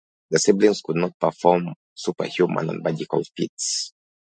The siblings could perform superhuman and magical feats.